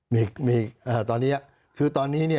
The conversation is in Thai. มีตอนนี้คือตอนนี้เนี่ย